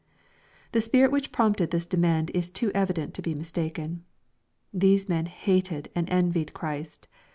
The spirit which prompted this demand is too evident to be mistaken. These men hated and envied Christ.